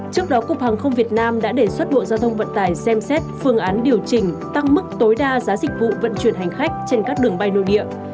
trước đó cục hàng không việt nam đã đề xuất bộ giao thông vận tải xem xét phương án điều chỉnh tăng mức tối đa giá dịch vụ vận chuyển hành khách trên các đường bay nội địa